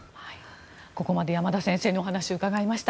ここまで山田先生にお話を伺いました。